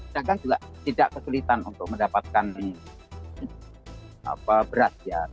sedangkan juga tidak kesulitan untuk mendapatkan beras ya